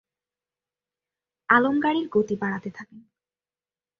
আলম গাড়ির গতি বাড়াতে থাকেন।